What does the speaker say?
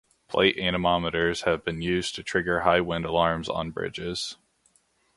Plate anemometers have been used to trigger high wind alarms on bridges.